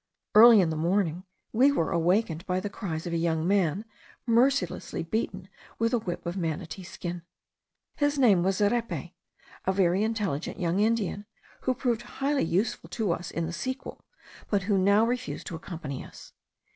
Early in the morning we were awakened by the cries of a young man, mercilessly beaten with a whip of manatee skin. His name was Zerepe, a very intelligent young Indian, who proved highly useful to us in the sequel, but who now refused to accompany us.